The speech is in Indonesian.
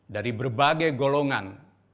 dari berbagai golongan